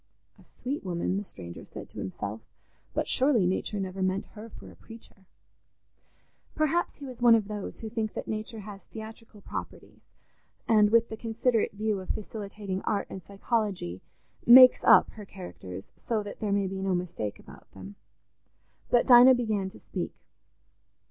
"A sweet woman," the stranger said to himself, "but surely nature never meant her for a preacher." Perhaps he was one of those who think that nature has theatrical properties and, with the considerate view of facilitating art and psychology, "makes up," her characters, so that there may be no mistake about them. But Dinah began to speak.